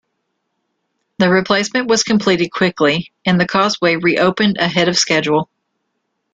The replacement was completed quickly, and the causeway re-opened ahead of schedule.